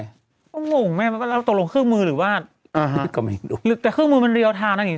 แล้วตกลงครึ่งมือหรือว่าก็ไม่รู้แต่ครึ่งมือมันเรียลไทน์อันนี้